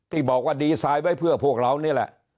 ที่บอกว่าดีไซน์ไว้เพื่อพวกเรานี่แหละ